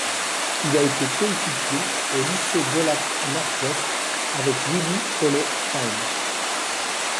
Il a été coéquipier, au lycée d'Olathe Northwest, avec Willie Cauley-Stein.